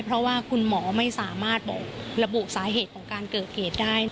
เพราะว่าคุณหมอไม่สามารถบอกระบุสาเหตุของการเกิดเหตุได้